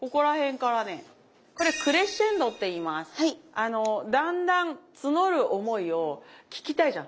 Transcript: あのだんだん募る思いを聞きたいじゃん。